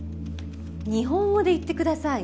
日本語で言ってください。